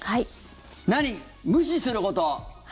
何無視すること。